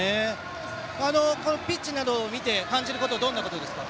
ピッチなどを見て感じることはどんなことですか？